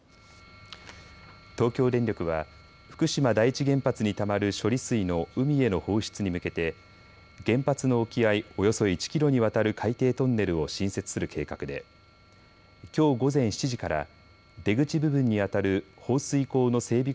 東京電力は福島第一原発にたまる処理水の海への放出に向けて原発の沖合およそ１キロにわたる海底トンネルを新設する計画できょう午前７時から出口部分にあたる放水口の整備